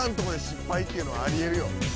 っていうのはあり得るよ。